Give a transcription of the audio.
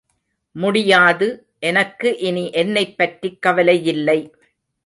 முடியாது! எனக்கு இனி என்னைப் பற்றிக் கவலையில்லை.